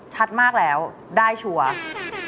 ชัดมากแล้วได้ชัวร์